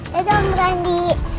dadah om brandi